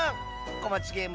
「こまちゲーム」